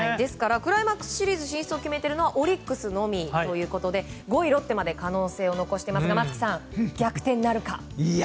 クライマックスシリーズ進出を決めているのはオリックスのみということで５位ロッテまで可能性を残していますが逆転なるか。